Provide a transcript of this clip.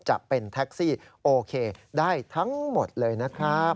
จะเป็นแท็กซี่โอเคได้ทั้งหมดเลยนะครับ